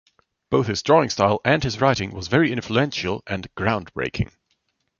Both his drawing style and his writing was very influential and groundbreaking.